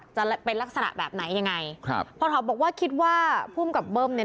จะเป็นลักษณะแบบไหนยังไงครับพอทอบอกว่าคิดว่าภูมิกับเบิ้มเนี่ย